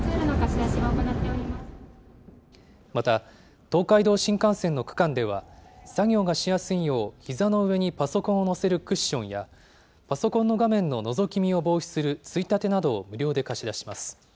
また、東海道新幹線の区間では、作業がしやすいよう、ひざの上にパソコンを載せるクッションや、パソコンの画面ののぞき見を防止するついたてなどを無料で貸し出します。